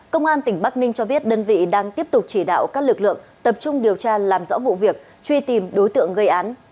công an tỉnh bắc ninh cho biết đơn vị đang tiếp tục chỉ đạo các lực lượng tập trung điều tra làm rõ vụ việc truy tìm đối tượng gây án